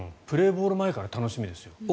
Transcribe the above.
プレーボール前から楽しみですよ。